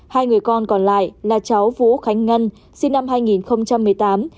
hai người con còn lại là cháu vũ khánh ngân sinh năm hai nghìn một mươi tám